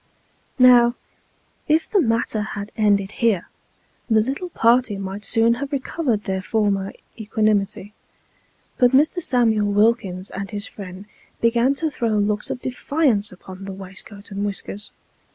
Now, if the matter had ended here, the little party might soon have recovered their former equanimity ; but Mr. Samuel Wilkins and his friend began to throw looks of defiance upon the waistcoat and whiskers.